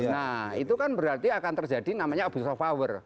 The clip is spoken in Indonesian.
nah itu kan berarti akan terjadi namanya abuse of power